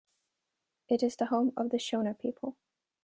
It is the home of the Shona people.